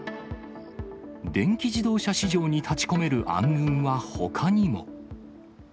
電気自動車市場に立ち込める暗雲はほかにも。